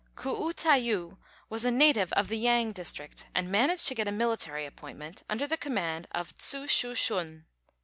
K'u Ta yu was a native of the Yang district, and managed to get a military appointment under the command of Tsu Shu shun.